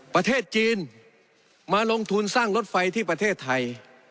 ประเทศจีนมาลงทุนสร้างรถไฟที่ประเทศไทย